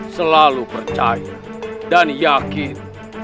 selalu percaya dan yakin